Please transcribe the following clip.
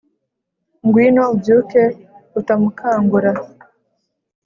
ngwino ubyuke uta mukangura